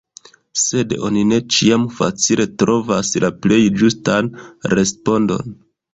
Sed oni ne ĉiam facile trovas la plej ĝustan respondon.